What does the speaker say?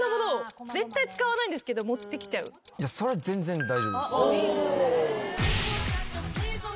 それは全然大丈夫です。